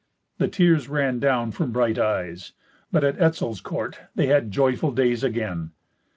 The tears ran down from bright eyes. But at Etzel's court they had joyful days again.